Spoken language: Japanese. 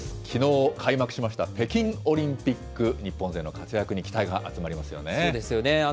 きのう、開幕しました、北京オリンピック、日本勢の活躍に期待が集まりますよね。